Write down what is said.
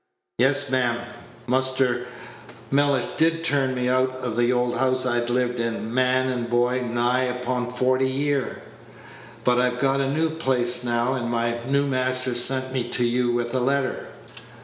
"Yes, ma'am, Muster Mellish did turn me out of the house I'd lived in, man and boy, nigh upon forty year, but I've got a new place now, and my new master sent me to you with a letter."